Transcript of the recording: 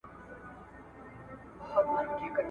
له بارونو له زخمونو له ترټلو `